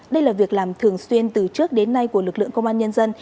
đây là việc làm thường xuyên từ trước đến nay của lực lượng công an nhân dân